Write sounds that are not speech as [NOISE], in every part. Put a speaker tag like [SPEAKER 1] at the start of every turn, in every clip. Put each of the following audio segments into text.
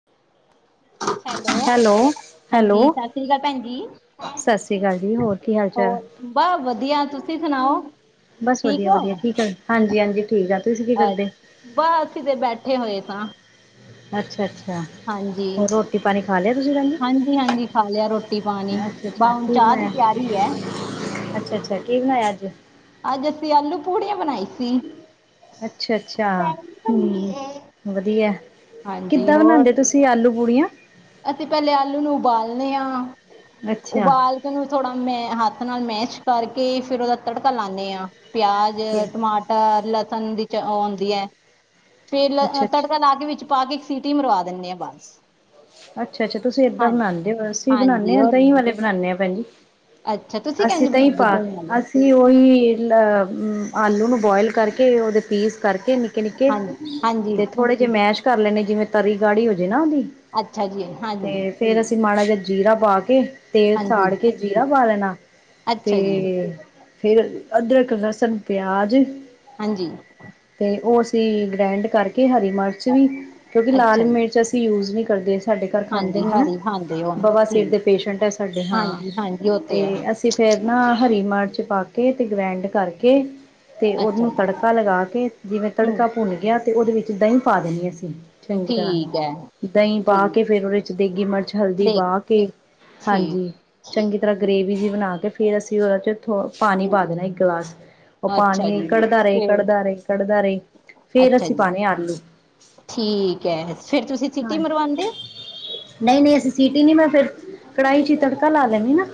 [SPEAKER 1] [INAUDIBLE]
[SPEAKER 2] Hello.
[SPEAKER 1] Hello
[SPEAKER 2] ਹਾਂਜੀ, ਸਤਿ ਸ੍ਰੀ ਅਕਾਲ ਭੈਣ ਜੀ।
[SPEAKER 1] ਸਤਿ ਸ੍ਰੀ ਅਕਾਲ ਜੀ ਹੋਰ ਕੀ ਹਾਲ ਚਾਲ?
[SPEAKER 2] ਹੋਰ ਬਾਹ ਵਧੀਆ ਤੁਸੀਂ ਤੁਸੀਂ ਸੁਣਾਓ?
[SPEAKER 1] ਬਸ
[SPEAKER 2] ਠੀਕ
[SPEAKER 1] ਵਧੀਆ-
[SPEAKER 2] ਹੋ
[SPEAKER 1] ਵਧੀਆ ਠੀਕ ਆ। ਜ ਹਾਂਜੀ- ਹਾਂਜੀ ਠੀਕ ਆ, ਤੁਸੀਂ ਕੀ
[SPEAKER 2] ਅ
[SPEAKER 1] ਕਰਦੇ?
[SPEAKER 2] ਬਸ ਅਸੀਂ ਤੇ ਬੈਠੇ ਹੋਏ ਸਾਂ।
[SPEAKER 1] ਅੱਛਾ ਅੱਛਾ
[SPEAKER 2] ਹਾਂਜੀ
[SPEAKER 1] ਹੋ ਰੋ ਰੋਟੀ ਪਾਣੀ ਖਾ ਲਿਆ ਤੁਸੀਂ ਰੰਗ
[SPEAKER 2] ਹਾਂਜੀ ਹਾਂਜੀ ਖਾ ਲਿਆ ਰੋਟੀ ਪਾਣੀ
[SPEAKER 1] ਅੱਛਾ ਅੱਛਾ
[SPEAKER 2] ਬਸ ਹੁਣ
[SPEAKER 1] ਕੀ
[SPEAKER 2] ਚਾਹ ਦੀ
[SPEAKER 1] ਬਣਾਇਆ?
[SPEAKER 2] ਤਿਆਰੀ ਹੈ
[SPEAKER 1] ਅੱਛਾ ਅੱਛਾ ਕੀ ਬਣਾਇਆ ਅੱਜ?
[SPEAKER 2] ਅੱਜ ਅਸੀਂ ਆਲੂ ਪੂੜੀਆਂ ਬਣਾਈ ਸੀ।
[SPEAKER 1] ਅੱਛਾ ਅੱਛਾ
[SPEAKER 2] ਚ
[SPEAKER 1] ਵਧੀਆ
[SPEAKER 2] ਹਾਂਜੀ
[SPEAKER 1] ਕਿੱਦਾਂ
[SPEAKER 2] ਹੋਰ।
[SPEAKER 1] ਬਣਾਉਂਦੇ ਤੁਸੀਂ ਆਲੂ ਪੂੜੀਆਂ?
[SPEAKER 2] ਅਸੀਂ ਪਹਿਲੇ ਆਲੂ ਨੂੰ ਉਬਾਲਣੇ ਹਾਂ
[SPEAKER 1] ਅੱਛਾ
[SPEAKER 2] ਉਬਾਲ ਉਹਨੂੰ ਥੋੜਾ ਮੈਂ ਹੱਥ ਨਾਲ ਮੈਸ਼ ਕਰਕੇ ਫੇਰ ਉਹਦਾ ਤੜਕਾ ਲਾਦੇ ਹਾਂ। ਪਿਆਜ ਟਮਾਟਰ ਲਸਣ ਦੀ ਆਉਂਦੀ ਹੈ। ਫੇਰ
[SPEAKER 1] ਅੱਛਾ ਅੱਛਾ
[SPEAKER 2] ਤੜਕਾ ਲਾਗੇ ਵਿੱਚ ਪਾ ਕੇ ਇੱਕ ਸੀਟੀ ਮਰਵਾ ਦਿੰਦੇ ਆਾਂ ਬਸ
[SPEAKER 1] ਅੱਛਾ ਅੱਛਾ ਤੁਸੀਂ ਏਦਾਂ
[SPEAKER 2] ਹਾਂਜੀ
[SPEAKER 1] ਬਣਾਉਂਦੇ ਹੋ ਅਸੀਂ ਬਣਾਉਂਦੇ
[SPEAKER 2] ਹਾਂਜੀ
[SPEAKER 1] ਹਾਂ
[SPEAKER 2] ਹੋਰ
[SPEAKER 1] ਦਹੀਂ ਵਾਲੇ ਬਣਾਉਂਦੇ ਹਾਂ ਭੈਜੀ
[SPEAKER 2] ਅੱਛਾ ਤੁਸੀਂ ਕਹ ਬਣਾ
[SPEAKER 1] ਪਾ ਕੇ ਅਸੀਂ ਉਹੀ ਅ ਆਲੂ ਨੂੰ ਬੋਇਲ ਕਰਕੇ ਉਹਦੇ ਪੀਸ ਕਰਕੇ ਨਿੱਕੇ ਨਿੱਕੇ
[SPEAKER 2] ਹਾਂਜੀ ਹਾਂਜੀ
[SPEAKER 1] ਤੇ ਥੋੜੇ ਜਿਹੇ ਮੈਸ਼ ਕਰ ਲੈਣੇ ਜਿਵੇਂ ਤਰੀ ਗਾੜੀ ਹੋ ਜਾੇ ਨਾ ਉਹਦੀ
[SPEAKER 2] ਅੱਛਾ ਜੀ ਹਾਂਜੀ
[SPEAKER 1] ਤੇ ਫੇਰ ਅਸੀਂ ਮਾੜਾ ਜਿਹਾ ਜੀਰਾ ਪਾ ਕੇ ਤੇਲ
[SPEAKER 2] ਹਾਂਜੀ
[SPEAKER 1] ਸਾੜ ਕੇ ਜੀਰਾ ਪਾ ਲਣਾ ਤੇ
[SPEAKER 2] ਅੱਛਾ ਜੀ
[SPEAKER 1] ਫੇਰ ਅਦਰਕ ਲਸਣ ਪਿਆਜ
[SPEAKER 2] ਹਾਂਜੀ
[SPEAKER 1] ਤੇ ਉਹ ਅਸੀਂ ਗ੍ਰੈਂਡ ਕਰਕੇ ਹਰੀ ਮਿਰਚ ਵੀ ਕਿਉਂਕਿ ਲਾਲ
[SPEAKER 2] ਅੱਛਾ ਜੀ
[SPEAKER 1] ਮਿਰਚ ਅਸੀਂ ਯੂਜ ਨਹੀ। ਦੇ ਸਾਡੇ ਘਰ ਖਾਂਦੇ
[SPEAKER 2] ਹਾਂਜੀ
[SPEAKER 1] ਨੇ ਨਾ
[SPEAKER 2] ਹਰੀ ਖਾਂਦੇ ਹੋ
[SPEAKER 1] ਬਵਾ ਸੀਰ
[SPEAKER 2] ਠੀਕ
[SPEAKER 1] ਦੇ ਪੇਸ਼ੈਂਟ ਹੈ ਸਾਡੇ ਹਾਂ
[SPEAKER 2] ਹਾਂਜੀ ਹਾਂਜੀ ਉਹ
[SPEAKER 1] ਤੇ
[SPEAKER 2] ਹੈ
[SPEAKER 1] ਅਸੀਂ ਫਿਰ ਨਾ ਹਰੀ ਮਿਰਚ ਪਾ ਕੇ ਅਤੇ ਗ੍ਰੈਂਡ ਕਰਕੇ ਤੇ
[SPEAKER 2] ਅੱਛਾ
[SPEAKER 1] ਉਹਨੂੰ
[SPEAKER 2] ਜੀ
[SPEAKER 1] ਤੜਕਾ ਲਗਾ ਕੇ ਜਿਵੇਂ
[SPEAKER 2] ਹਮ
[SPEAKER 1] ਤੜਕਾ ਭੁੰਨ ਗਿਆ ਤੇ ਉਹਦੇ ਵਿੱਚ ਦਹੀਂ ਪਾ ਦਿੰਣੀ ਅਸੀਂ ਚੰਗੀ ਤਰ੍ਹਾਂ
[SPEAKER 2] ਠੀਕ ਹੈ।
[SPEAKER 1] ਦਹੀਂ ਪਾ
[SPEAKER 2] ਠੀਕ
[SPEAKER 1] ਕੇ ਫੇਿਰ ਉਹਦੇ ਚ ਦੇਗੀ ਮਿਰਚ ਹਲਦੀ
[SPEAKER 2] ਦੇਖ
[SPEAKER 1] ਪਾ ਕੇ
[SPEAKER 2] ਠੀਕ
[SPEAKER 1] ਹਾਂਜੀ ਚੰਗੀ ਤਰ੍ਹਾਂ
[SPEAKER 2] ਠੀਕ
[SPEAKER 1] ਗ੍ਰਰੇਵੀ ਜਿ ਬਣਾ ਕੇ ਫੇਰ ਅਸੀਂ ਉਹਦਾ ਚ ਥੋ ਪਾਣੀ ਪਾ ਦੇਣਾ ਇੱਕ ਗਲਾਸ ਉਹ
[SPEAKER 2] ਅੱਛਾ
[SPEAKER 1] ਪਾਣੀ
[SPEAKER 2] ਜੀ
[SPEAKER 1] ਕੱਢਦਾ ਰਹੇ
[SPEAKER 2] ਫੇਰ
[SPEAKER 1] ਕੱਢਦਾ ਰਹੇ ਕੱਢਦਾ ਰਹੇ ਫੇਰ
[SPEAKER 2] ਅੱਛਾ
[SPEAKER 1] ਅਸੀਂ
[SPEAKER 2] ਜੀ
[SPEAKER 1] ਪਾਉਣੇ ਆਲੂ
[SPEAKER 2] ਠੀਕ ਹੈ ਫਿਰ ਤੁਸੀਂ ਸਿਟੀ
[SPEAKER 1] ਹਾਂ
[SPEAKER 2] ਮਰਵਾਉਂਦੇ ਹੋ?
[SPEAKER 1] ਨਹੀਂ ਨਹੀਂ ਅਸੀਂ ਸੀਟੀ ਨ ਮੈਂ ਫੇਿਰ ਕੜਾਹੀ ਚ ਹੀ ਤੜਕਾ ਲਾ ਲੈਣੀ ਨਾ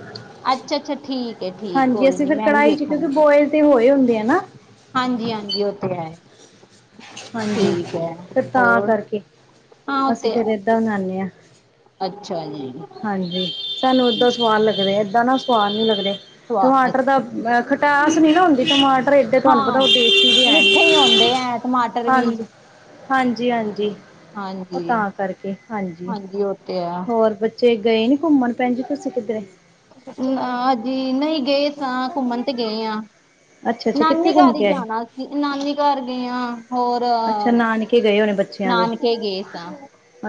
[SPEAKER 2] ਅੱਛਾ ਅੱਛਾ ਠੀਕ ਹੈ ਠੀਕ
[SPEAKER 1] ਹਾਂਜੀ
[SPEAKER 2] ਕੋਈ
[SPEAKER 1] ਅਸੀਂ
[SPEAKER 2] ਨੀ
[SPEAKER 1] ਫਿਰ
[SPEAKER 2] ਮੈਂ ਵੀ
[SPEAKER 1] ਕੜਾਹੀ 'ਚ ਕਿਉਂਕਿ
[SPEAKER 2] ਵੇਖਾਂਗੀ।
[SPEAKER 1] ਬੋਇਲ ਤੇ ਹੋਏ ਹੁੰਦੇ ਆ ਨਾ
[SPEAKER 2] ਹਾਂਜੀ ਹਾਂਜੀ ਉਹ ਤੇ ਹੈ।
[SPEAKER 1] ਹਾਂਜੀ
[SPEAKER 2] ਠੀਕ ਹੈ
[SPEAKER 1] ਫ ਤਾਂ
[SPEAKER 2] ਹੋਰ
[SPEAKER 1] ਕਰਕੇ
[SPEAKER 2] ਹਾਂ ਉਹ
[SPEAKER 1] ਅਸੀਂ
[SPEAKER 2] ਤੇ
[SPEAKER 1] ਫੇਰ ਏਦਾਂ ਬਨਾਉਦੇ ਹਾਂ
[SPEAKER 2] ਅੱਛਾ ਜੀ।
[SPEAKER 1] ਹਾਂਜੀ ਸਾਨੂੰ ਏਦਾਂ ਸਵਾਦ ਲੱਗਦਾ ਏਦਾਂ ਨਾ ਸਵਾਦ ਨਹੀਂ ਲੱਗਦੇ
[SPEAKER 2] ਸਵਾਦ
[SPEAKER 1] ਟਮਾਟਰ ਦਾ
[SPEAKER 2] ਅੱਛਾ
[SPEAKER 1] ਖਟਾਸ ਨੀ ਨਾ ਹੁੰਦੀ ਟਮਾਟਰ ਡੇ ਤੁਹਾਨੂੰ ਪਤਾ ਉਹ
[SPEAKER 2] ਹਾਂ
[SPEAKER 1] ਦੇਸੀ ਦੇ
[SPEAKER 2] ਮਿੱਠੇ ਹੀ
[SPEAKER 1] ਹੈਗੇ
[SPEAKER 2] ਹੁੰਦੇ ਹੈ ਟਮਾਟਰ ਵੀ
[SPEAKER 1] ਹਾਂਜੀ ਹਾਂਜੀ ਹਾਂਜੀ ਉਹ
[SPEAKER 2] ਹਾਂਜੀ
[SPEAKER 1] ਤਾਂ ਕਰਕੇ ਹਾਂਜੀ
[SPEAKER 2] ਉਹ ਤੇ ਹੈ
[SPEAKER 1] ਹੋਰ ਜੇ ਗਏ ਨੀ ਘੁੰਮਣ ਪੈਣ ਜੀ ਤੁਸੀਂ ਕਿੱਧਰੇ
[SPEAKER 2] ਨਾਜੀ ਨਹੀਂ ਗਏ ਸਾਂ ਘੁੰਮਣ ਤੇ ਗਏ ਹਾਂ।
[SPEAKER 1] ਅੱਛਾ ਅੱਛਾ ਕਿੱਥੇ
[SPEAKER 2] ਨਾਨੀ
[SPEAKER 1] ਘੁੰਮ
[SPEAKER 2] ਘਰ ਹੀ
[SPEAKER 1] ਕੇ ਆਏ
[SPEAKER 2] ਜਾਣਾ ਅਸੀ ਨਾਨੀ ਘਰ ਗਏ ਹਾਂ। ਹੋਰ
[SPEAKER 1] ਅੱਛਾ ਨਾਨਕੇ ਗਏ ਹੋਣੇ ਬੱਚਿਆਂ ਦੇ
[SPEAKER 2] ਨਾਨਕੇ ਗੇਸ ਆ।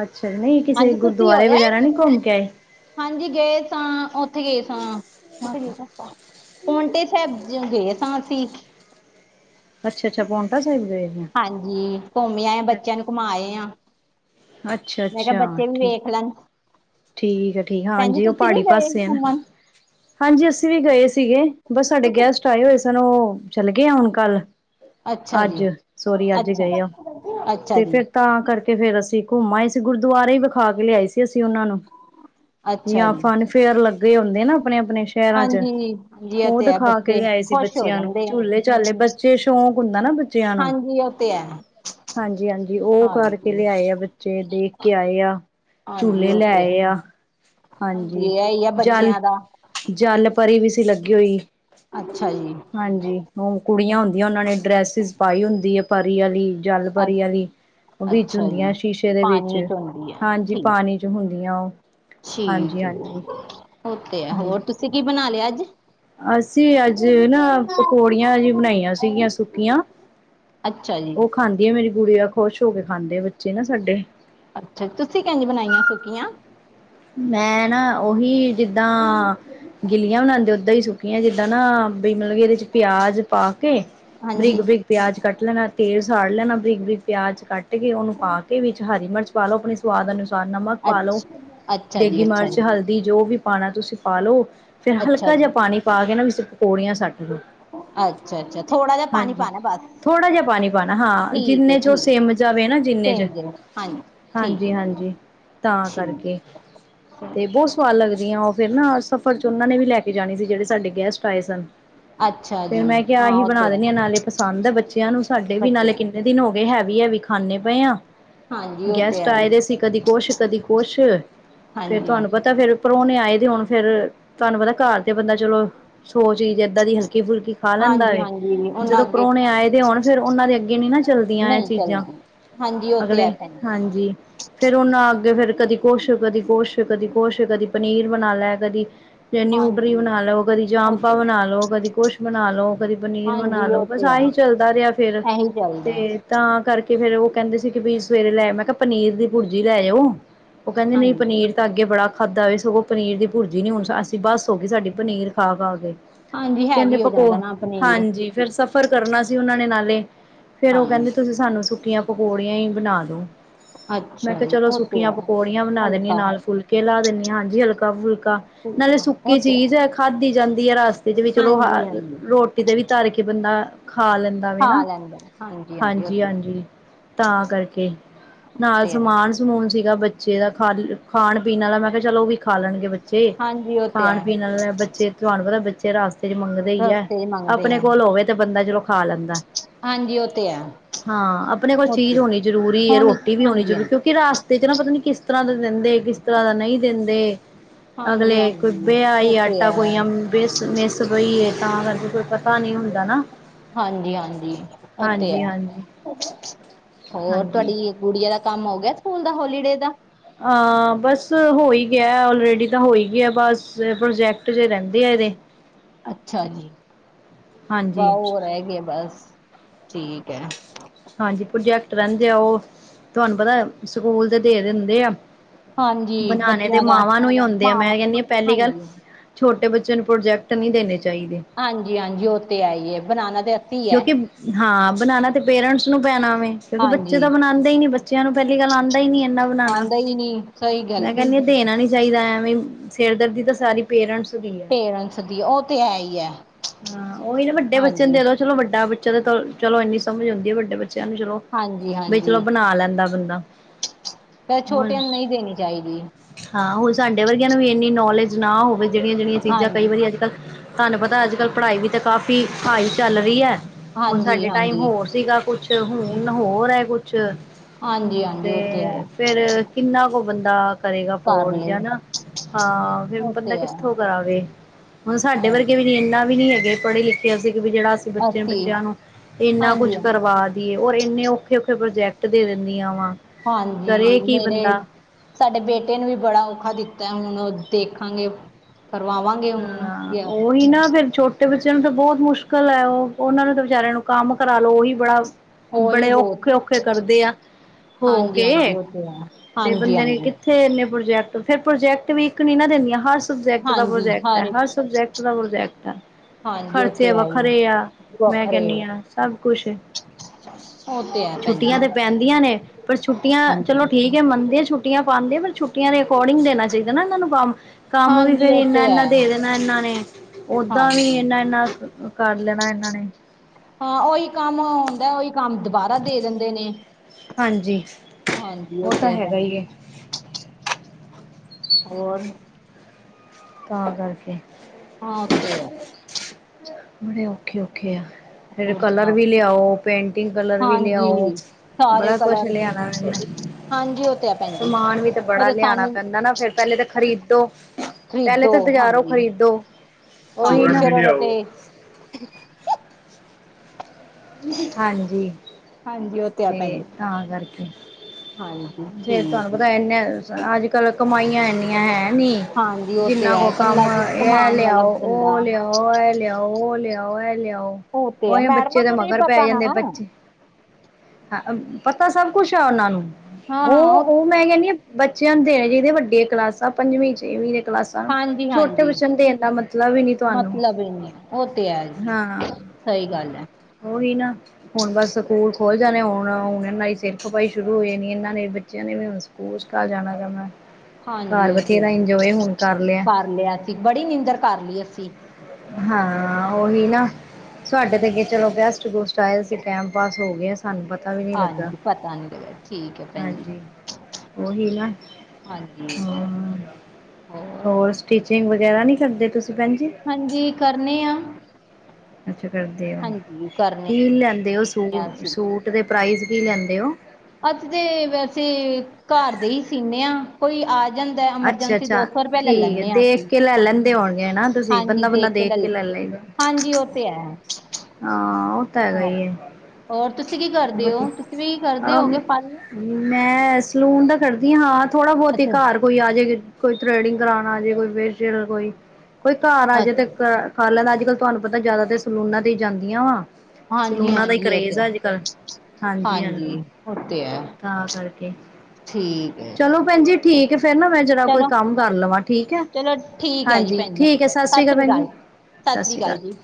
[SPEAKER 1] ਅੱਛਾ ਨਹੀਂ ਕਿਸੇ ਗੁਰਦੁਆਰੇ ਵਗੈਰਾ ਨਹੀਂ ਘੁੰਮ ਕੇ ਆਏ।
[SPEAKER 2] ਹਾਂਜੀ ਗਏ ਸਾਂ ਉੱਥੇ ਗਏ ਸਾਂ ਪੋਂਟਾ ਸਾਹਿਬ ਜ ਗਏ ਸਾਂ ਅਸੀਂ
[SPEAKER 1] ਅੱਛਾ ਅੱਛਾ ਪੋਂਂਟਾ ਸਾਹਿਬ ਗਏ ਆ
[SPEAKER 2] ਹਾਂਜੀ ਘੁੰਮਿਆ ਆ ਬੱਚਿਆਂ ਨੂੰ ਘੁਮਾਏ ਆ ਮੈਂ ਕਿਹਾ
[SPEAKER 1] ਅੱਛਾ-ਅੱਛਾ
[SPEAKER 2] ਬੱਚੇ ਵੀ
[SPEAKER 1] ਠੀਕ
[SPEAKER 2] ਵੇਖ ਲੈਣ
[SPEAKER 1] ਠੀਕ ਆ ਠੀਕ
[SPEAKER 2] ਭੈਣ ਜੀ
[SPEAKER 1] ਹਾਂਜੀ ਉਹ
[SPEAKER 2] ਤੁਸੀਂ ਨੀ
[SPEAKER 1] ਪਹਾੜੀ
[SPEAKER 2] ਗਏ
[SPEAKER 1] ਪਾਸੇ ਹੈ।
[SPEAKER 2] ਘੁੰਮਣ
[SPEAKER 1] ਹਾਂਜੀ ਅਸੀਂ ਵੀ ਗਏ ਸੀਗੇ ਬਸ ਸਾਡੇ
[SPEAKER 2] ਤੁਸੀਂ
[SPEAKER 1] ਗੈਸਟ ਆਏ ਹੋਏ ਸਨ ਉਹ ਚਲੇ ਗਏ ਆ ਹੁਣ ਕੱਲ
[SPEAKER 2] ਅੱਛਾ ਜੀ
[SPEAKER 1] ਅੱਜ, ਸੋਰੀ ਅੱਜ
[SPEAKER 2] ਅੱਛਾ
[SPEAKER 1] ਗਏ ਓ
[SPEAKER 2] ਅੱਛਾ
[SPEAKER 1] ਤੇ
[SPEAKER 2] ਜੀ
[SPEAKER 1] ਫਿਰ ਤਾਂ ਕਰਕੇ ਫੇਰ ਅਸੀਂ ਘੁੰਮ ਆਏ ਸੀ ਗੁਰਦੁਆਰੇ ਈ ਵਿਖਾ ਕੇ ਲਿਆਏ ਸੀ ਅਸੀਂ ਉਹਨਾਂ ਨੂੰ।
[SPEAKER 2] ਅੱਛਾ
[SPEAKER 1] ਜਾਂ
[SPEAKER 2] ਜੀ
[SPEAKER 1] ਫਨ ਫੇਅਰ ਲੱਗੇ ਹੁੰਦੇ ਨਾਂ ਆਪਣੇ-ਆਪਣੇ। ਸ਼ਹਿਰਾਂ ਚ
[SPEAKER 2] ਹਾਂਜੀ ਜੀ ਇਹ
[SPEAKER 1] ਉਹ
[SPEAKER 2] ਤੇ ਹੈ
[SPEAKER 1] ਦਿਖਾ ਕੇ
[SPEAKER 2] ਬੱਚੇ
[SPEAKER 1] ਲਿਆਏ ਸੀ
[SPEAKER 2] ਖੁਸ਼ ਹੋ
[SPEAKER 1] ਬੱਚਿਆਂ ਨੂੰ,
[SPEAKER 2] ਜਾਂਦੇ ਆ
[SPEAKER 1] ਝੂਲੇ ਚਾਲੇ ਬੱਚੇ ਜੇ ਸ਼ੌਕ ਹੁੰਦਾ ਨਾ ਬ
[SPEAKER 2] ਹਾਂਜੀ ਉਹ ਤੇ ਐ।
[SPEAKER 1] ਹਾਂਜੀ ਹਾਂਜੀ, ਉਹ ਕਰਕੇ ਲਿਆਏ ਆ ਬੱਚੇ, ਦੇਖ ਕੇ ਆਏ ਆ
[SPEAKER 2] ਹਾਂਜੀ
[SPEAKER 1] ਝੂਲੇ
[SPEAKER 2] ਉਹ ਤੇ ਹੈ
[SPEAKER 1] ਲਿਆਏ ਆ। [UNINTELLIGIBLE] ਹਾਂਜੀ।
[SPEAKER 2] ਇਹ ਹੀ ਆ
[SPEAKER 1] ਜਲ,
[SPEAKER 2] ਬੱਚਿਆਂ ਦਾ
[SPEAKER 1] ਜਲ ਪਰੀ ਵੀ ਸੀ ਲੱਗੀ ਹੋਈ।
[SPEAKER 2] ਅੱਛਾ ਜੀ।
[SPEAKER 1] ਹਾਂਜੀ, ਉਹ ਕੁੜੀਆਂ ਹੁੰਦੀਆਂ ਉਹਨਾਂ ਨੇਂ ਡਰੈਸਿਸ ਪਾਈ ਹੁੰਦੀ ਏ, ਪਰੀ ਆਲੀ ਜਲ
[SPEAKER 2] ਅ
[SPEAKER 1] ਪਰੀ ਆਲੀ। ਉਹ ਵਿੱਚ
[SPEAKER 2] ਅੱਛਾ
[SPEAKER 1] ਹੁੰਦੀਆਂ,
[SPEAKER 2] ਜੀ
[SPEAKER 1] ਸ਼ੀਸ਼ੇ ਦੇ ਵਿੱਚ।
[SPEAKER 2] ਪਾਣੀ ਚ ਹੁੰਦੀ ਹੈ
[SPEAKER 1] ਹਾਂਜੀ,
[SPEAKER 2] ਠੀਕ
[SPEAKER 1] ਪਾਣੀ ਚ ਹੁੰਦੀਆਂ ਉਹ
[SPEAKER 2] ਠੀਕ ਏ,
[SPEAKER 1] ਹਾਂਜੀ-ਹਾਂਜੀ,
[SPEAKER 2] ਉਹ ਤੇ ਹੈ,
[SPEAKER 1] ਹਾਂਜੀ।
[SPEAKER 2] ਹੋਰ ਤੁਸੀਂ ਕੀ ਬਣਾ ਲਿਆ ਅੱਜ?
[SPEAKER 1] ਅਸੀਂ ਅੱਜ ਨਾਂ ਪਕੌੜੀਆਂ ਅਜੇ ਬਣਾਈਆਂ ਸੀਗੀਆਂ ਸੁੱਕੀਆਂ।
[SPEAKER 2] ਅੱਛਾ ਜੀ।
[SPEAKER 1] ਉਹ ਖਾਂਦੀ ਏ ਮੇਰੀ ਗੁੜੀਆਂ, ਖੁਸ਼ ਹੋ ਕੇ ਖਾਂਦੇ ਆ ਬੱਚੇ ਨਾ ਸਾਡੇ।
[SPEAKER 2] ਅੱਛਾ, ਤੁਸੀਂ ਕਿੰਜ ਬਣਾਈਆਂ ਸੂਕੀਆਂ।
[SPEAKER 1] ਮੈਂ ਨਾ ਉਹੀ ਜਿੱਦਾਂ ਗਿੱਲੀਆਂ ਬਣਾਂਦੇ, ਓਦਾਂ ਈ ਸੁੱਕੀਆਂ। ਜਿੱਦਾਂ ਨਾਂ ਬਈ ਮਤਲਬ ਕਿ ਇਹਦੇ ਚ ਪਿਆਜ ਪਾ ਕੇ
[SPEAKER 2] ਹਾਂਜੀ
[SPEAKER 1] ਬਰੀਗ ਬਰੀਕ ਪਿਆਜ ਕੱਟ ਲੈਣਾ, ਤੇਲ ਸਾੜ ਲੈਣਾ ਬਰੀਕ-ਬਰੀਕ ਪਿਆਜ ਕੱਟ ਕੇ ਉਹਨੂੰ ਪਾ ਕੇ ਵਿੱਚ ਹਰੀ ਮਿਰਚ ਪਾਲੋ ਆਪਣੇ ਸਵਾਦ ਅਨੁਸਾਰ, ਨਮਕ ਪਾਲੋ।
[SPEAKER 2] ਅੱਛ ਅੱਛਾ
[SPEAKER 1] ਡੇਗੀ
[SPEAKER 2] ਜੀ ਅੱਛਾ
[SPEAKER 1] ਮਿਰਚ
[SPEAKER 2] ਜੀ
[SPEAKER 1] ਹਲਦੀ ਜੋ ਵੀ ਪਾਉਣਾ ਤੁਸੀਂ ਪਾ ਲਓ, ਫੇਰ
[SPEAKER 2] ਅੱਛਾ
[SPEAKER 1] ਹਲਕਾ ਜਿਹਾ
[SPEAKER 2] ਜੀ
[SPEAKER 1] ਪਾਣੀ ਪਾ ਕੇ ਨਾਂ ਵੀ ਸਿਰਫ ਪਕੌੜੀਆਂ ਸੱਟ ਦੋ।
[SPEAKER 2] ਅੱਛਾ ਅੱਛਾ ਥੋੜ੍ਹਾ ਜਿਹਾ
[SPEAKER 1] [INAUDIBLE]
[SPEAKER 2] ਪਾਣੀ
[SPEAKER 1] ਹਾਂਜੀ,
[SPEAKER 2] ਪਾਉਣਾ ਬਸ
[SPEAKER 1] ਥੋੜਾ ਜਿਹਾ ਪਾਣੀ ਪਾਣਾ ਹਾਂ
[SPEAKER 2] ਠੀਕ ਹੈ
[SPEAKER 1] ਜਿੰਨੇ ਚੋਂ
[SPEAKER 2] ਠੀਕ
[SPEAKER 1] ਸੇਮ ਜਾਵੇਂ ਨਾਂ ਜਿੰਨੇ ਚ
[SPEAKER 2] ਸੇਮ ਜੇ ਹਾਂਜੀ ਠੀਕ
[SPEAKER 1] ਹਾਂਜੀ,
[SPEAKER 2] ਹੈ
[SPEAKER 1] ਹਾਂਜੀ ਤਾਂ ਕਰਕੇ।
[SPEAKER 2] ਠੀਕ
[SPEAKER 1] ਤੇ ਬਹੁਤ ਸਵਾਦ ਲੱਗਦੀਆਂ ਉਹ ਫੇਰ ਨਾਂ ਸਫ਼ਰ ਚ ਉਹਨਾਂ ਨੇ ਵੀ ਲੈ ਕੇ ਜਾਣੀ ਸੀ। ਜਿਹੜੇ ਸਾਡੇ ਗੈਸਟ ਪਾਏ ਸਨ।
[SPEAKER 2] ਅੱਛਾ ਜੀ
[SPEAKER 1] ਫੇਰ ਮੈਂ ਕਿਹਾ
[SPEAKER 2] ਹਾਂ
[SPEAKER 1] ਏਹੀ
[SPEAKER 2] ਉਹ
[SPEAKER 1] ਬਣਾ
[SPEAKER 2] ਤੇ
[SPEAKER 1] ਦੇਣੀ
[SPEAKER 2] ਹੈ
[SPEAKER 1] ਆਂ, ਨਾਲੇ ਪਸੰਦ ਐ ਬੱਚਿਆਂ ਨੂੰ, ਸਾਡੇ ਵੀ ਨਾਲੇ
[SPEAKER 2] ਬੱਚਿਆਂ ਨੂੰ,
[SPEAKER 1] ਕਿੰਨੇ ਦਿਨ ਹੋ ਗਏ ਹੈਵੀ-ਹੈਵੀ ਖਾ ਖਾਂਣੇ ਪਏ ਆਂ
[SPEAKER 2] ਹਾਂਜੀ ਉਹ ਤੇ
[SPEAKER 1] ਗੈਸਟ
[SPEAKER 2] ਹੈ
[SPEAKER 1] ਆਏ ਦੇ ਸੀ, ਕਦੀ ਕੁਛ, ਕਦੀ ਕੁਛ। ਫੇਰ
[SPEAKER 2] ਹਾਂਜੀ
[SPEAKER 1] ਤੁਹਾਨੂੰ ਪਤਾ ਫੇਰ ਪਰੋਣੇ ਆਏ ਦੇ ਹੁਣ ਫੇਰ, ਤੁਹਾਨੂੰ ਪਤਾ ਘਰ ਤੇ ਬੰਦਾ ਚਲੋ ਸੋਚੀਜ ਏਦਾਂ ਦੀ ਹਲਕੀ ਫੁਲਕੀ ਖਾ ਲੈਂਦਾ
[SPEAKER 2] ਹਾਂਜੀ
[SPEAKER 1] ਵੇ
[SPEAKER 2] ਹਾਂਜੀ ਉਹਨਾਂ
[SPEAKER 1] ਜਦੋਂ
[SPEAKER 2] ਅੱਗੇ
[SPEAKER 1] ਪ੍ਰਾਹੁਣੇ ਆਏ ਦੇ ਹੋਣ ਫਿਰ ਉਹਨਾਂ ਦੇ ਅੱਗੇ ਨਈਂ ਨਾਂ ਚੱਲਦੀਆਂ ਇਹ
[SPEAKER 2] ਨਹੀਂ
[SPEAKER 1] ਚੀਜ਼ਾਂ
[SPEAKER 2] ਚੱਲਦੀ ਹਾਂਜੀ ਉਹ ਤੇ ਹੈ
[SPEAKER 1] ਅਗਲੇ,
[SPEAKER 2] ਭੈਣ ਜੀ
[SPEAKER 1] ਹਾਂਜੀ ਫੇਰ ਉਹਨਾਂ ਅੱਗੇ ਫਿਰ ਕਦੀ ਕੁਛ, ਕਦੀ ਕੁਛ, ਕਦੀ ਕੁਛ, ਕਦੀ ਪਨੀਰ ਬਣਾ ਲੈ ਕਦੀ ਜਾਂ ਨਿਊਟਰੀ
[SPEAKER 2] ਹਾਂਜੀ
[SPEAKER 1] ਬਣਾ ਲੋ, ਕਦੀ
[SPEAKER 2] ਉਹ ਤੇ
[SPEAKER 1] ਜਾਂਪਾ
[SPEAKER 2] ਹੈ
[SPEAKER 1] ਬਣਾ ਲੋ ਕਦੀ ਕੁਛ ਬਣਾ ਲੋ ਕਦੀ ਪਨੀਰ ਬਣਾ
[SPEAKER 2] ਹਾਂਜੀ
[SPEAKER 1] ਲੋ
[SPEAKER 2] ਉਹ
[SPEAKER 1] ਬਸ
[SPEAKER 2] ਤੇ ਹੈ
[SPEAKER 1] ਆਹੀ ਚੱਲਦਾ ਰਿਹਾ ਫੇਰ
[SPEAKER 2] ਇਹੀ ਚੱਲਦਾ
[SPEAKER 1] ਤੇ
[SPEAKER 2] ਏ
[SPEAKER 1] ਤਾਂ ਕਰਕੇ ਫੇਰ ਉਹ ਕਹਿੰਦੇ ਸੀ ਕਿ ਵੀ ਸਵੇਰੇ ਲੈ, ਮੈਂ ਕਿਹਾ ਪਨੀਰ ਦੀ ਭੁਰਜੀ ਲੈ ਜਾਓ। ਉਹ ਕਹਿੰਦੇ ਨਹੀਂ
[SPEAKER 2] ਹਾਂਜੀ
[SPEAKER 1] ਪਨੀਰ ਤਾਂ ਅੱਗੇ ਬੜਾ ਖਾਧਾ ਵੇ ਸਗੋਂ ਪਨੀਰ ਦੀ ਭੁਰਜੀ ਨਈਂ ਹੁਣ ਅਸੀਂ ਬਸ ਹੋਗੀ ਕਿ ਸਾਡੀ ਪਨੀਰ ਖਾ-ਖਾ ਕੇ
[SPEAKER 2] ਹਾਂਜੀ
[SPEAKER 1] ਕਹਿੰਦੇ
[SPEAKER 2] ਹੈਵੀ ਹੋ
[SPEAKER 1] ਪਕੋ
[SPEAKER 2] ਜਾਂਦਾ ਨਾ ਪਨੀਰ
[SPEAKER 1] ਹਾਂਜੀ ਫਿਰ ਸਫ਼ਰ ਕਰਨਾ ਸੀ ਉਹਨਾਂ ਨੇ ਨਾਲੇ ਫੇਰ ਉਹ
[SPEAKER 2] ਹਾਂ
[SPEAKER 1] ਕਹਿੰਦੇ ਤੁਸੀਂ ਸਾਨੂੰ ਸੁੱਕੀਆਂ ਪਕੌੜੀਆਂ ਈ ਬਣਾ ਦੋ, ਮੈਂ
[SPEAKER 2] ਅੱਛਾ
[SPEAKER 1] ਕਿਹਾ
[SPEAKER 2] ਜੀ
[SPEAKER 1] ਚਲੋ
[SPEAKER 2] ਉਹ ਤੇ
[SPEAKER 1] ਸੁੱਕੀਆਂ
[SPEAKER 2] ਹੈ
[SPEAKER 1] ਪਕੌੜੀਆਂ ਬਣਾ ਦੇਣੇ
[SPEAKER 2] ਹਲਕਾ
[SPEAKER 1] ਨਾਲ ਫੁਲਕੇ ਲਾ ਦਿੰਣੀ, ਹਾਂ ਹਾਂਜੀ ਹਲਕਾ-ਫੁਲਕਾ ਨਾਲੇ
[SPEAKER 2] ਪੂਰਾ ਉਹ
[SPEAKER 1] ਸੁੱਕੀ
[SPEAKER 2] ਤੇ ਹੈ
[SPEAKER 1] ਚੀਜ਼ ਏ ਖਾਧੀ ਜਾਂਦੀ ਏ, ਰਸਤੇ ਚ ਵੀ ਚਲੋ ਹ
[SPEAKER 2] ਹਾਂਜੀ ਹਾਂਜੀ
[SPEAKER 1] ਰੋਟੀ ਦਾ ਵੀ ਤਰ ਕੇ ਬੰਦਾ ਖਾ ਲੈਂਦਾ ਵੇ
[SPEAKER 2] ਖਾ
[SPEAKER 1] ਨਾਂ
[SPEAKER 2] ਲੈਂਦਾ ਉਹ
[SPEAKER 1] ਹਾਂਜੀ,
[SPEAKER 2] ਤੇ ਹੈ
[SPEAKER 1] ਹਾਂਜੀ ਤਾਂ ਕਰਕੇ ਨਾਲ
[SPEAKER 2] ਤੇ ਹੈ
[SPEAKER 1] ਸਮਾਨ ਸਮੂਨ ਸੀਗਾ ਬੱਚੇ ਦਾ ਖਾਲੀ ਖਾਣ-ਪੀਣ ਵਾਲਾ, ਮੈਂ ਕਿਹਾ ਚੱਲ ਉਹ ਵੀ ਖਾ ਲੈਣਗੇ ਬੱਚੇ
[SPEAKER 2] ਹਾਂਜੀ ਉਹ ਤੇ ਹੈ
[SPEAKER 1] ਖਾਣ-ਪੀਣ ਵਾਲੇ ਬੱਚੇ ਤੁਹਾਨੂੰ ਪਤਾ ਬੱਚੇ ਰਸਤੇ ਚ ਮੰਗਦੇ ਈ ਏ,
[SPEAKER 2] ਰਸਤੇ ਚ ਮੰਗਦੇ
[SPEAKER 1] ਆਪਣੇ
[SPEAKER 2] ਹੈ
[SPEAKER 1] ਕੋਲ ਹੋਵੇ ਤੇ ਬੰਦਾ ਚਲੋ ਖਾ ਲੈਂਦਾ।
[SPEAKER 2] ਹਾਂਜੀ ਉਹ ਤੇ ਹੈ
[SPEAKER 1] [INAUDIBLE] ਹਾਂ, ਆਪਣੇ ਕੋਲ
[SPEAKER 2] ਉਹ
[SPEAKER 1] ਚੀਜ਼
[SPEAKER 2] ਤੇ ਹੈ
[SPEAKER 1] ਹੋਣੀ ਜ਼ਰੂਰੀ ਏ,
[SPEAKER 2] ਹੁਣ
[SPEAKER 1] ਰੋਟੀ ਵੀ ਹੋਣੀ
[SPEAKER 2] ਹਾਂਜੀ ਹਾਂਜੀ
[SPEAKER 1] ਜ਼ਰੂਰੀ ਕਿਉਂਕਿ ਰਾਸ ਤੇ ਚ ਪਤਾ ਨੀ ਕਿਸ ਤਰ੍ਹਾਂ ਦਾ ਦਿੰਦੇ ਕਿਸ ਤਰ੍ਹਾਂ ਦਾ ਨਹੀਂ ਦਿੰਦੇ
[SPEAKER 2] ਹਾਂਜੀ
[SPEAKER 1] ਅਗਲੇ ਕੋਈ
[SPEAKER 2] ਹਾਂਜੀ
[SPEAKER 1] ਵਿੇਹ
[SPEAKER 2] ਉਹ
[SPEAKER 1] ਹੀ
[SPEAKER 2] ਤੇ
[SPEAKER 1] ਆਟਾ
[SPEAKER 2] ਹੈ
[SPEAKER 1] ਕੋਈਆਮਬੀਸ ਮਿਸ ਬਈ ਏ ਤਾਂ ਮੈ ਵੀ ਕੋਈ ਪਤਾ ਨਹੀਂ ਹੁੰਦਾ ਨਾ
[SPEAKER 2] ਹਾਂਜੀ-ਹਾਂਜੀ ਉਹ ਤੇ ਹੈ
[SPEAKER 1] ਹਾਂਜੀ-ਹਾਂਜੀ,
[SPEAKER 2] ਹੋਰ
[SPEAKER 1] ਹਾਂਜੀ ਹਾਂਜੀ
[SPEAKER 2] ਤੁਹਾਡੀ ਗੁੜੀਆਂ ਦਾ ਕੰਮ ਹੋ ਗਿਆ ਸਕੂਲ ਦਾ ਹੋਲੀਡੇ ਦਾ
[SPEAKER 1] ਹਾਂ ਬਸ ਹੋ ਹੀ ਗਿਆ ਅਲਰੇਡੀ ਤਾਂ ਹੋਈ ਗਿਆ ਬਸ ਪ੍ਰੋਜੈਕਟ ਜੇ ਰਹਿੰਦੇ ਆ ਇਹਦੇ
[SPEAKER 2] ਅੱਛਾ ਜੀ ਵਾਹ
[SPEAKER 1] ਹਾਂਜੀ
[SPEAKER 2] ਉਹ ਰਹਿ ਗਏ ਬਸ ਠੀਕ ਹੈ
[SPEAKER 1] ਹਾਂਜੀ ਪ੍ਰੋਜੈਕਟ ਰਹਿੰਦੇ ਆ ਉਹ ਤੁਹਾਨੂੰ ਪਤਾ ਸਕੂਲ ਤੇ ਦੇ ਦਿੰਦੇ ਆ
[SPEAKER 2] ਹਾਂਜੀ
[SPEAKER 1] ਬਣਾਣੇ ਤੇ
[SPEAKER 2] ਬੱਚਿਆਂ ਦਾ
[SPEAKER 1] ਮਾਵਾਂ ਨੂੰ ਹੀ ਆਉਂਦੇ ਆ
[SPEAKER 2] ਮਾਵਾਂ
[SPEAKER 1] ਮੈਂ ਕਹਿੰਦੀ ਹਾਂ ਪਹਿਲੀ ਗੱਲ
[SPEAKER 2] ਹਾਂਜੀ
[SPEAKER 1] ਛੋਟੇ ਬੱਚਿਆਂ ਨੂੰ ਪ੍ਰੋਜੈਕਟ ਨਹੀਂ ਦੇਣੇ ਚਾਹੀਦੇ।
[SPEAKER 2] ਹਾਂਜੀ ਹਾਂਜੀ ਉਹ ਤੇ ਹੈ ਈਏ ਬਣਾਉਣਾ ਤੇ ਅਸੀਂ ਹੈ
[SPEAKER 1] ਕਿਉਂਕਿ ਹਾਂ ਬਣਾਉਣਾ ਤੇ ਪੇਰੈਂਟਸ ਨੂੰ ਪੈਣਾਵੇਂ ਕਿਉਂਕਿ ਬੱਚੇ
[SPEAKER 2] ਹਾਂਜੀ
[SPEAKER 1] ਤਾਂ ਬਣਾਉਂਦੇ ਹੀ ਨੀ ਬੱਚਿਆਂ ਨੂੰ ਪਹਿਲੀ ਗੱਲ ਆਉਂਦਾ ਹੀ ਨਹੀਂ ਇੰਨਾ ਬਣਾਉਣਾ
[SPEAKER 2] ਈ ਨ ਸਹੀ ਗੱਲ
[SPEAKER 1] ਮੈਂ ਕਹਿੰਦੀ ਹਾਂ ਦੇਣਾ ਨੀ ਚਾਹੀਦਾ ਐਵੇਂ ਸਿਰ ਦਰਦੀ ਤਾਂ ਸਾਰੀ ਪੇਰੈਂਟਸ ਕੀ ਆ
[SPEAKER 2] ਪੇਰੈਂਟਸ ਦੀ ਉਹ ਤੇ ਹੈ ਹੀ ਹੈ
[SPEAKER 1] ਹਾਂ ਉਹੀ ਨਾ ਵੱਡੇ ਬੱਚੇ
[SPEAKER 2] ਹਾਂਜੀ
[SPEAKER 1] ਦੇੋਂ ਚਲੋ ਵੱਡਾ ਬੱਚ ਤਾਂ ਚੋੰਨੀ ਸਮਝ ਆਉਂਦੀ ਹੈ ਵੱਡੇ ਬੱਚਿਆਂ ਨੂੰ ਚਲੋ
[SPEAKER 2] ਹਾਂਜੀ
[SPEAKER 1] ਬਈ ਚਲੋ ਬਣਾ ਲੈਂਦਾ ਬੰਦਾ
[SPEAKER 2] ਫ
[SPEAKER 1] ਹੁਣ
[SPEAKER 2] ਛੋਟਿਆਂ ਨੂੰ ਨਹੀਂ ਦੇਣੀ ਚਾਹੀਦੀ
[SPEAKER 1] ਹਾਂ ਹਣ ਸਾਡੇ ਵਰਗਿਆਂ ਨੂੰ ਵੀ ਇੰਨੀ ਨੌਲੇਜ ਨਾ ਹੋਵੇ ਜਿਹੜੀਆਂ ਜਿਹੜੀਆਂ ਚੀਜ਼ਾਂ ਕਈ
[SPEAKER 2] ਹਾਂਜੀ
[SPEAKER 1] ਵਾਰੀ ਅੱਜ ਕੱਲ੍ਹ ਤੁਹਾਨੂੰ ਪਤਾ ਅੱਜ ਕੱਲ੍ਹ ਪੜ੍ਹਾਈ ਵੀ ਤਾਂ ਕਾਫ਼ੀ ਹਾਈ ਚੱਲ ਰਹੀ ਹੈ ਹੁਣ
[SPEAKER 2] ਹਾਂਜੀ
[SPEAKER 1] ਸਾਡੇ ਟਾਈਮ
[SPEAKER 2] ਹਾਂਜੀ
[SPEAKER 1] ਹੋਰ ਸੀਗਾ ਕੁਛ ਹੁਣ ਹੋਰ ਹੈ ਕੁਛ
[SPEAKER 2] ਹਾਂਜੀ ਹਾਂਜੀ
[SPEAKER 1] ਤੇ
[SPEAKER 2] ਉਹ ਹੈ
[SPEAKER 1] ਫੇਿਰ ਕਿੰਨਾ ਕੁ ਬੰਦਾ ਕਰੇਗਾ ਪੋਰ
[SPEAKER 2] ਕਰ ਲਈ
[SPEAKER 1] ਜਾਂ ਨਾ ਹਾਂ ਫੇਿਰ
[SPEAKER 2] ਉਹ
[SPEAKER 1] ਬੰਦਾ
[SPEAKER 2] ਤੇ ਹੈ
[SPEAKER 1] ਕਿੱਥੋਂ ਕਰਾਵੇ ਹੁਣ ਸਾਡੇ
[SPEAKER 2] ਹਾਂ,
[SPEAKER 1] ਵਰਗੇ ਵੀ ਇੰਨਾ ਵੀ ਨੀ ਹੈਗੇ ਪੜ੍ਹੇ ਲਿਖੇ ਅ ਸੀ ਕਿ ਵੀ ਜਿਹੜਾ ਅਸੀਂ ਬੱਚੇ ਬੱਚਿਆਂ ਨੂੰ ਇੰਨਾ
[SPEAKER 2] ਹਾਂਜੀ
[SPEAKER 1] ਕੁਛ ਕਰਵਾ ਔਰ ਇੰਨੇ ਔਖੇ-ਔਖੇ ਪ੍ਰੋਜੈਕਟ ਦੇ ਦਿੰਦੀਆਂ ਵਾ
[SPEAKER 2] ਹਾਂਜੀ
[SPEAKER 1] ਕਰੇ ਕੀ
[SPEAKER 2] ਮੇਰੇ
[SPEAKER 1] ਬੰਦਾ
[SPEAKER 2] ਸਾਡੇ ਬੇਟੇ ਨੂੰ ਵੀ ਬੜਾ ਔਖਾ ਦਿੱਤਾ ਹੁਣ ਦੇਖਾਂਗੇ ਕਰਵਾਵਾਂਗੇ ਹੁਣ
[SPEAKER 1] ਹਾਂ
[SPEAKER 2] ਯਾ
[SPEAKER 1] ਉਹੀ ਨਾ ਫੇਿਰ ਛੋਟੇ ਤੇ ਬੱਚਿਆਂ ਨੂੰ ਤਾਂ ਬਹੁਤ ਮੁਸ਼ਕਿਲ ਹੈ ਉਹ ਉਹਨਾਂ ਨੂੰ ਤਾਂ ਵਿਚਾਰਿਆਂ ਨੂੰ ਕੰਮ ਕਰਾ ਲਓ ਉਹੀ ਬੜਾ ਸੀ
[SPEAKER 2] ਉਹੀ
[SPEAKER 1] ਬੜੇ
[SPEAKER 2] ਬਹੁਤ
[SPEAKER 1] ਔਖੇ-ਔਖੇ ਕਰਦੇ ਆ ਹੋ
[SPEAKER 2] ਹਾਂਜੀ
[SPEAKER 1] ਕੇ
[SPEAKER 2] ਹਾਂਜੀ ਉਹ ਤੇ ਹੈ
[SPEAKER 1] ਤੇ
[SPEAKER 2] ਹਾਂਜੀ
[SPEAKER 1] ਬੰਦਿਆਂ ਨੇ
[SPEAKER 2] ਹਾਂਜੀ
[SPEAKER 1] ਕਿੱਥੇ ਫਰਨੇ ਪ੍ਰੋਜੈਕਟ ਫੇਰ ਪ੍ਰੋਜੈਕਟ ਵੀ ਇੱਕ ਨੀ ਨਾ ਦਿੰਦੀਆਂ ਹਰ ਸਬਜੈਕਟ ਦਾ
[SPEAKER 2] ਹਾਂਜੀ
[SPEAKER 1] ਪ੍ਰੋਜੈਕਟ ਹਰ
[SPEAKER 2] ਇੱਕ
[SPEAKER 1] ਸਭ ਜੈਕਟ ਦਾ ਮ ਜੈਕਟ ਹੈ
[SPEAKER 2] ਹਾਂਜੀ ਉਹ
[SPEAKER 1] ਖ਼ਰਚੇ
[SPEAKER 2] ਤੇ ਹੈ ਹੀ ਹੈ।
[SPEAKER 1] ਵੱਖਰੇ ਆ
[SPEAKER 2] ਵੱਖ
[SPEAKER 1] ਮੈਂ
[SPEAKER 2] ਰਹੇ
[SPEAKER 1] ਕਹਿੰਦੀ ਹਾਂ ਸਭ ਕੁਛ
[SPEAKER 2] ਹੋ ਤੇ ਆ
[SPEAKER 1] ਛੁੱਟੀਆਂ ਤੇ ਪੈਂਦੀਆਂ ਨੇ ਪਰ ਛੁੱਟੀਆਂ
[SPEAKER 2] ਹਾਂਜੀ
[SPEAKER 1] ਚਲੋ ਠੀਕ ਹੈ ਮੰਨਦੇ ਆ ਛੁੱ ਛੁੱਟੀਆਂ ਪਾਉਂਦੇ ਪਰ ਛੁੱੀਆਂ ਦੇ ਅਕੋਰਡਿੰਗ ਦੇਣਾ ਚਾਹੀਦਾ ਨਾ ਇਹਨਾਂ ਨੂੰ ਕੰਮ ਕੰਮ ਵੀ
[SPEAKER 2] ਹਾਂਜੀ
[SPEAKER 1] ਫੇਰ
[SPEAKER 2] ਉਹ ਤੇ
[SPEAKER 1] ਇਨਾ
[SPEAKER 2] ਹੈ
[SPEAKER 1] ਇਨਾ ਦੇ ਦੇਣਾ ਇਹਨਾਂ ਨੇ ਓਦਾਂ ਵੀ
[SPEAKER 2] ਹਾਂਜੀ
[SPEAKER 1] ਇਹਨਾ ਇਨਾ ਕਰ ਲੈਣਾ ਇਹਨਾਂ ਨੇ
[SPEAKER 2] ਹਾਂ ਉਹੀ ਕੰਮ ਹੁੰਦਾ ਉਹੀ ਕੰਮ ਦੁਬਾਰਾ ਦੇ ਦਿੰਦੇ ਨੇ
[SPEAKER 1] ਹਾਂਜੀ
[SPEAKER 2] ਹਾਂਜੀ ਉਹ
[SPEAKER 1] ਤਾਂ
[SPEAKER 2] ਤੇ ਆ
[SPEAKER 1] ਹੈਗਾ ਹੀ
[SPEAKER 2] ਭੈਂਦੀ
[SPEAKER 1] ਹੈ
[SPEAKER 2] ਹੋਰ
[SPEAKER 1] ਤਾਂ ਕਰਕੇ
[SPEAKER 2] ਹਾਂ ਤੇ
[SPEAKER 1] ਬੜੇ ਔਖੇ ਔਖੇ ਆ ਫਿਰ
[SPEAKER 2] ਹੋਰ
[SPEAKER 1] ਕਲਰ
[SPEAKER 2] ਸੁਣਾਓ
[SPEAKER 1] ਵੀ ਲਿਆਓ ਪੇਂਟਿੰਗ ਕਲਰ ਵੀ ਲਿਆਓ
[SPEAKER 2] ਹਾਂਜੀ ਸਾਰੇ
[SPEAKER 1] ਬੜਾ ਕੁਛ
[SPEAKER 2] ਕਲਰ
[SPEAKER 1] ਲਿਆਉਣਾ ਮੈਨ
[SPEAKER 2] ਹਾਂਜੀ ਉਹ ਤੇ ਹੈ ਭੈਣ ਜੀ
[SPEAKER 1] ਸਮਾਨ ਵੀ ਤੇ
[SPEAKER 2] ਉਹ
[SPEAKER 1] ਬੜਾ ਲਿਆਣਾ
[SPEAKER 2] ਸਾਨੂੰ
[SPEAKER 1] ਪੈਂਦਾ ਨਾ ਫੇਿਰ ਪਹਿਲੇ ਤਾਂ ਖ਼ਰੀਦੋ ਪਹਿਲੇ
[SPEAKER 2] ਖਰੀਦੋ
[SPEAKER 1] ਤਾਂ ਬਜ਼ਾਰੋ
[SPEAKER 2] ਹਾਂਜੀ
[SPEAKER 1] ਖਰੀਦੋ ਉਓਹੀ
[SPEAKER 2] ਹਾਂਜੀ
[SPEAKER 1] ਨਾ
[SPEAKER 2] ਫੇਰ ਉਹਦੇ ਤੇ
[SPEAKER 1] ਹਾਂਜੀ
[SPEAKER 2] ਹਾਂਜੀ ਉਹ ਹੈ
[SPEAKER 1] ਤੇ
[SPEAKER 2] ਭੈਣ ਜੀ
[SPEAKER 1] ਤਾਂ ਕਰਕੇ
[SPEAKER 2] ਹਾਂਜੀ
[SPEAKER 1] ਫਿਰ ਤੁਹਾਨੂੰ
[SPEAKER 2] ਠੀਕ ਹੈ
[SPEAKER 1] ਪਤਾ ਇਨੇ ਅੱਜ ਕੱਲ ਕਮਾਈਆਂ ਇੰਨੀਆਂ ਹੈ ਨਹੀਂ
[SPEAKER 2] ਹਾਂਜੀ ਉਹ ਤੇ
[SPEAKER 1] ਜਿੰਨਾ
[SPEAKER 2] ਹੈ
[SPEAKER 1] ਕੋ ਕੰਮ
[SPEAKER 2] ਇਕੱਲਾ
[SPEAKER 1] ਇਹ
[SPEAKER 2] ਕਮਾਉਣ ਵਾਲਾ
[SPEAKER 1] ਲਿਆਓ
[SPEAKER 2] ਬੰਦਾ
[SPEAKER 1] ਉਹ ਲਿਆਓ ਹੋ ਇਹ ਲਿਆਓ ਉਹ ਲਿਆਓ ਐ ਲਿਆਓ
[SPEAKER 2] ਉਹ ਤੇ ਆ
[SPEAKER 1] ਉਹੀ
[SPEAKER 2] ਮੈਡਮ
[SPEAKER 1] ਬੱਚੇ ਮਗਰ ਪੈ ਜਾਂਦੇ ਬੱਚੇ ਪਤਾ ਸਭ ਕੁਛ ਆ ਉਹਨਾਂ ਨੂੰ
[SPEAKER 2] ਹਾਂ ਹਾਂ
[SPEAKER 1] ਉਹ ਉਹ ਮੈਂ ਕਹਿੰਦੀ ਹਾਂ। ਬੱਚਿਆਂ ਨੂੰ ਦੇਣੇ ਚਾਹੀਦੇ ਵੱਡੀਆਂ ਕਲਾਸਾਂ ਪੰਜਵੀਂ ਛੇਵੀਂ ਦੀਆਂ ਕਲਾਸਾਂ
[SPEAKER 2] ਹਾਂਜੀ
[SPEAKER 1] ਛੋਟੇ
[SPEAKER 2] ਹਾਂਜੀ
[SPEAKER 1] ਵਚਨ ਨੂੰ ਦੇਣ ਦਾ ਮਤਲਬ ਹੀ ਨੀ ਤੁਹਾਨੂੰ
[SPEAKER 2] ਮਤਲਬ ਹੀ ਨਹੀਂ ਹੈ, ਉਹ ਤੇ ਹੈ ਜੀ
[SPEAKER 1] ਹਾਂ।
[SPEAKER 2] ਸਹੀ ਗੱਲ ਹੈ।
[SPEAKER 1] ਉਹੀ ਨਾ। ਹੁਣ ਬਸ ਸਕੂਲ ਖੋਲ ਜਾਣੇ ਹੁਣ ਹੁਣ ਇਹਨਾਂ ਦੀ ਸਿਰ ਖਪਾਈ ਸ਼ੁਰੂ ਹੋ ਜਾਨੀ ਇਹਨਾਂ ਨੇ ਬੱਚਿਆਂ ਨੇ ਵੀ ਕੋਸਤ ਆ ਜਾਣਾ ਕਰਨਾ
[SPEAKER 2] ਹਾਂਜੀ
[SPEAKER 1] ਘਰ
[SPEAKER 2] ਉਹ ਤੇੇ
[SPEAKER 1] ਬਥੇਰਾ
[SPEAKER 2] ਹੈ
[SPEAKER 1] ਇੰਜੋਏ ਹੁਣ ਲਿਆ
[SPEAKER 2] ਕਰ ਲਿਆ ਸੀ ਬੜੀ ਨੀਂਦਰ ਕਰ ਲਈ ਅਸੀਂ।
[SPEAKER 1] ਹਾਂ ਉਹੀ ਨਾ। ਸਾਡੇ ਤੇ ਕਿਚਨ ਗੈਸਟ ਗੁਸਤ ਆਏ ਸੀ ਟਾਈਮ ਪਾਸ ਹੋ ਗਿਆ। ਸਾਨੂੰ ਪਤਾ ਵੀ ਨਹੀਂ ਲੱਗਾ
[SPEAKER 2] ਹਾਂਜੀ ਪਤਾ ਨੀ ਲੱਗਿਆ ਠੀਕ ਹੈ ਭੈਣ ਜੀ
[SPEAKER 1] ਹਾਂਜੀ। ਉਹੀ ਨਾ
[SPEAKER 2] ਹਾਂਜੀ
[SPEAKER 1] ਹਾਂ। ਹੋਰ ਸਟਿਚਿੰਗ ਵਗੈਰਾ ਨਹੀਂ ਕਰਦੇ ਤੁਸੀਂ ਭੈਣ ਜੀ।
[SPEAKER 2] ਹਾਂਜੀ ਕਰਨੇ ਆ।
[SPEAKER 1] ਅੱਛਾ ਕਰਦੇ ਹੋ
[SPEAKER 2] ਹਾਂਜੀ ਕਰਨੇ
[SPEAKER 1] ਕੀ ਲੈਂਦੇ ਹੋ
[SPEAKER 2] ਆ ਅਸੀਂ
[SPEAKER 1] ਸੂਟ ਦੇ ਪ੍ਰਾਈਜ਼ ਕੀ ਲੈਂਦੇ ਹੋ।
[SPEAKER 2] ਅਸੀਂ ਤੇ ਵੈਸੇ ਘਰ ਦੇ ਹੀ ਸੀਨੇ ਹਾਂ ਕੋਈ ਆ ਜਾਂਦਾ
[SPEAKER 1] ਅੱਛਾ
[SPEAKER 2] ਐਮਰਜੈਂਸੀ ਦੋ
[SPEAKER 1] ਅੱਛਾ
[SPEAKER 2] ਸੌ ਰੁਪਆ ਲੈ
[SPEAKER 1] ਠੀਕ ਹੈ
[SPEAKER 2] ਲੈਂਦੇ ਹਾਂ
[SPEAKER 1] ਦੇਖ
[SPEAKER 2] ਅਸੀਂ
[SPEAKER 1] ਕੇ ਲੈ ਲੈਂਦੇ ਹੋਣਗੇ ਨਾ ਤੁਸੀਂ
[SPEAKER 2] ਹਾਂਜੀ
[SPEAKER 1] ਬੰਦਾ ਬੰਦਾ
[SPEAKER 2] ਦੇਖ ਕੇ ਲੈ ਲੈਂਦੇ
[SPEAKER 1] ਲਏਗਾ।
[SPEAKER 2] ਹਾਂਜੀ ਉਹ ਤੇ ਹੈ।
[SPEAKER 1] ਹਾਂ ਉਹ ਤਾਂ ਹੈਗਾ
[SPEAKER 2] ਹਾਂ
[SPEAKER 1] ਹੈ।
[SPEAKER 2] ਹੋਰ ਤੁਸੀਂ ਕੀ ਕਰਦੇ
[SPEAKER 1] ਵਧੀਆ
[SPEAKER 2] ਹੋ ਤੁਸੀਂ ਵੀ ਕਰਦੇ
[SPEAKER 1] ਹਾਂ
[SPEAKER 2] ਹੋਗੇ ਫਲ
[SPEAKER 1] ਮੈਂ ਸਲੂਨ ਦਾ ਕਰਦੀ ਹਾਂ ਥੋੜਾ ਬਹੁਤ
[SPEAKER 2] ਅੱਛਾ
[SPEAKER 1] ਘਰ ਕੋਈ ਆਜੇ ਕੋਈ ਥਰੇਡਿੰਗ ਕਰਾਉਣਾ ਆਜੇ ਕੋਈ ਫੇਸ਼ੀਅਲ ਕੋਈ ਕੋਈ ਘਰ ਆ ਜੇ
[SPEAKER 2] ਅੱਛਾ
[SPEAKER 1] ਤੇ ਫਾਲਾਂ ਦਾ ਅੱਜ ਕੱਲ ਤੁਹਾਨੂੰ ਪਤਾ ਜ਼ਿਆਦਾਤਰ ਸਲੂਨਾ ਤੇ ਹੀ ਜਾਂਦੀਆਂ ਵਾ
[SPEAKER 2] ਹਾਂਜੀ
[SPEAKER 1] ਸਲੂਨਾਂ ਦਾ ਹੀ
[SPEAKER 2] ਹਾਂਜੀ ਉਹ ਤੇ
[SPEAKER 1] ਕਰੇਜ਼ ਆ
[SPEAKER 2] ਹੈ,
[SPEAKER 1] ਅੱਜ ਕੱਲ ਹਾਂਜੀ ਹਾਂਜੀ
[SPEAKER 2] ਉਹ ਤੇ ਹੈ
[SPEAKER 1] ਤਾਂ ਕਰਕੇ
[SPEAKER 2] ਠੀਕ ਹੈ।
[SPEAKER 1] ਚਲੋ ਭੈਣ ਜੀ ਠੀਕ ਹੈ ਫਿਰ ਨਾ ਮੈਂ ਜਰਾ ਕੋਈ
[SPEAKER 2] ਚਲੋ
[SPEAKER 1] ਕੰਮ ਕਰ ਲਵਾਂ ਠੀਕ ਹੈ।
[SPEAKER 2] ਚਲੋ ਠੀਕ ਹੈ ਜੀ
[SPEAKER 1] ਹਾਂਜੀ
[SPEAKER 2] ਭੈਣ ਜੀ
[SPEAKER 1] ਠੀਕ ਹੈ
[SPEAKER 2] ਸਤਿ ਸ਼੍ਰੀ
[SPEAKER 1] ਭੈਣ
[SPEAKER 2] ਅਕਾਲ
[SPEAKER 1] ਜੀ
[SPEAKER 2] ਸਤਿ ਸ਼੍ਰੀ ਅਕਾਲ ਜੀ